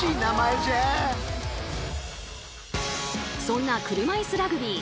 そんな車いすラグビー。